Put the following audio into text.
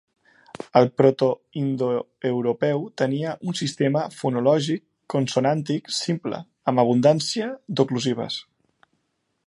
El protoindoeuropeu tenia un sistema fonològic consonàntic simple, amb abundància d'oclusives.